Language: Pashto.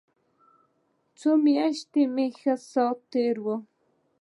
څو مياشتې مې ښه ساعت تېر و.